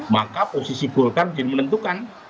maka posisi golkar mungkin menentukan